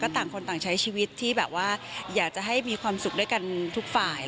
ต่างคนต่างใช้ชีวิตที่แบบว่าอยากจะให้มีความสุขด้วยกันทุกฝ่าย